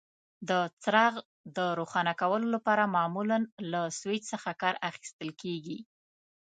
د څراغ د روښانه کولو لپاره معمولا له سویچ څخه کار اخیستل کېږي.